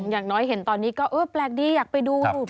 อย่างน้อยเห็นตอนนี้ก็เออแปลกดีอยากไปดู